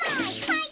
はい。